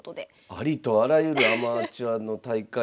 ありとあらゆるアマチュアの大会に出て。